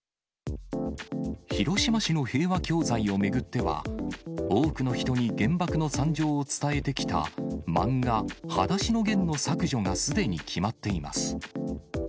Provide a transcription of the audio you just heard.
広島市の平和教材を巡っては、多くの人に原爆の惨状を伝えてきた漫画、はだしのゲンの削除がすでに決まっています。